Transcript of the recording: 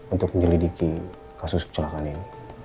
untuk menyelidiki kasus kecelakaan ini